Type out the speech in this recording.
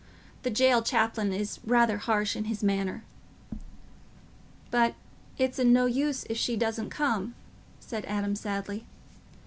The jail chaplain is rather harsh in his manner." "But it's o' no use if she doesn't come," said Adam sadly.